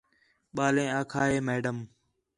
ٻالیں آکھا ہے میڈم